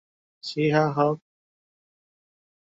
তো স্যার, আপনি তখন কোথায় ছিলেন?